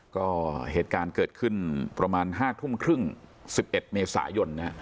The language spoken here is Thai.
ก็เหตุการณ์เกิดขึ้นประมาณ๕ทุ่มครึ่ง๑๑เมษายน